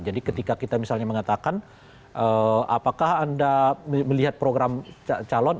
jadi ketika kita misalnya mengatakan apakah anda melihat program calon